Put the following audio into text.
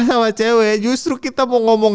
sama cewek justru kita mau ngomong